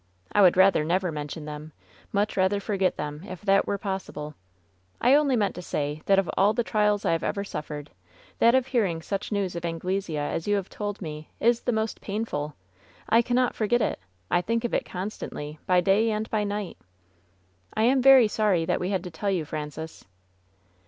I would rather never mention them — ^much rather forget them, if that were possible ! I only meant to say that of all the trials I have ever suffered, that of hearing such news of Anglesea as you have told me is the most pain ful ! I cannot forget it ! I think of it constantly, by day and by night.'' "I am very sorry that we had to tell you, Francis."